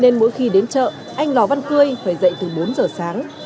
nên mỗi khi đến chợ anh lò văn cươi phải dậy từ bốn giờ sáng